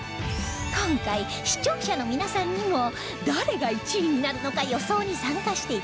今回視聴者の皆さんにも誰が１位になるのか予想に参加して頂けます